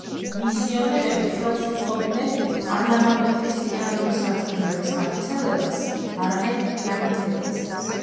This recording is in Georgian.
მისიონერები ხელს უწყობდნენ არა მარტო ქრისტიანული სარწმუნოების გავრცელებას, არამედ განათლებასაც.